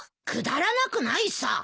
くだらなくないさ。